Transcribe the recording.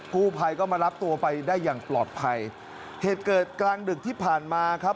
กู้ภัยก็มารับตัวไปได้อย่างปลอดภัยเหตุเกิดกลางดึกที่ผ่านมาครับ